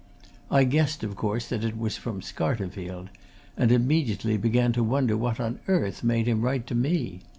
I guessed, of course, that it was from Scarterfield, and immediately began to wonder what on earth made him write to me.